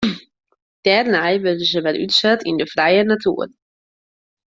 Dêrnei wurde se wer útset yn de frije natoer.